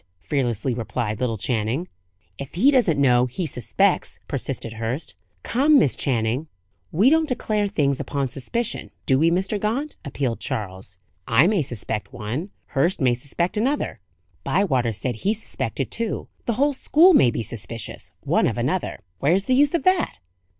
fearlessly replied little Channing. "If he doesn't know, he suspects," persisted Hurst. "Come, Miss Channing." "We don't declare things upon suspicion, do we, Mr. Gaunt?" appealed Charles. "I may suspect one; Hurst may suspect another; Bywater said he suspected two; the whole school may be suspicious, one of another. Where's the use of that?"